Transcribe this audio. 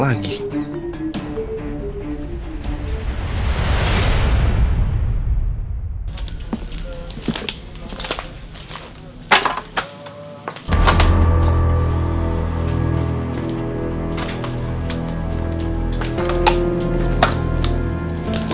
rumahnya dikebakaran begini sih